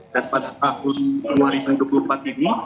dan pada tahun dua ribu dua puluh empat ini